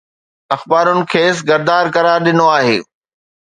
اخبارن کيس غدار قرار ڏنو آهي